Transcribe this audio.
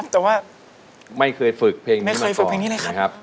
เก่งลองโอก่อถอยเฟลอพังกันยังไงครับ